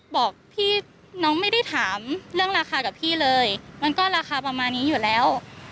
บอกพี่น้องไม่ได้ถามเรื่องราคากับพี่เลยมันก็ราคาประมาณนี้อยู่แล้ว